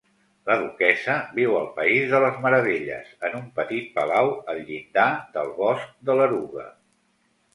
La duquessa viu al País de les Meravelles en un petit palau al llindar del bosc de l'Eruga.